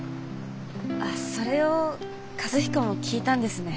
それを和彦も聞いたんですね。